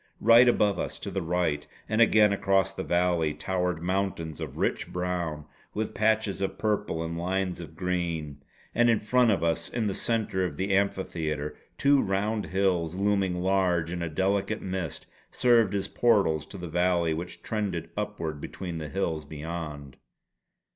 Right above us to the right, and again across the valley, towered mountains of rich brown with patches of purple and lines of green; and in front of us in the centre of the amphitheatre, two round hills, looming large in a delicate mist, served as portals to the valley which trended upward between the hills beyond.